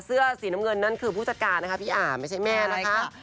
เสื้อสีน้ำเงินนั่นคือผู้จัดการนะคะพี่อ่าไม่ใช่แม่นะคะ